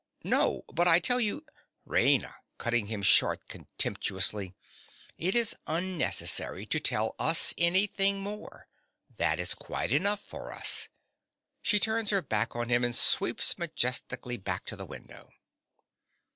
No; but I tell you— RAINA. (cutting him short contemptuously). It is unnecessary to tell us anything more. That is quite enough for us. (_She turns her back on him and sweeps majestically back to the window.